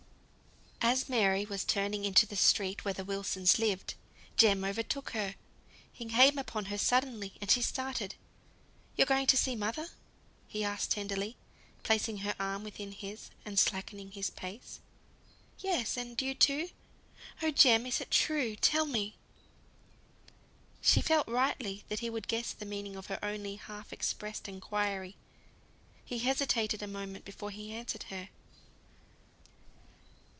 As Mary was turning into the street where the Wilsons lived, Jem overtook her. He came upon her suddenly, and she started. "You're going to see mother?" he asked tenderly, placing her arm within his, and slackening his pace. "Yes, and you too. Oh, Jem, is it true? tell me." She felt rightly that he would guess the meaning of her only half expressed inquiry. He hesitated a moment before he answered her.